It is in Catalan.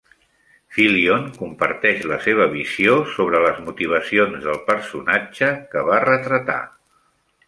Fillion comparteix la seva visió sobre les motivacions del personatge que va retratar.